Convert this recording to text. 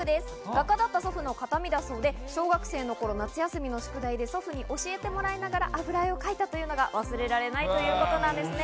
画家だった祖父の形見だそうで、小学生のころ、夏休みの宿題で祖父に教えてもらいながら、油絵を描いたというのが忘れられないということなんですね。